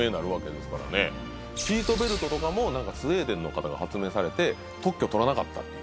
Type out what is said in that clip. シートベルトとかもスウェーデンの方が発明されて特許取らなかったっていう。